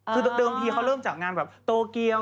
คือเดิมทีเขาเริ่มจากงานแบบโตเกียว